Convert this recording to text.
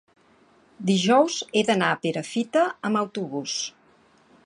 dijous he d'anar a Perafita amb autobús.